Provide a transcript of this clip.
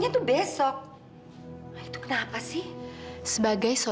saat yang beli tidak akan nggak jadi percaya sama konsep analisa'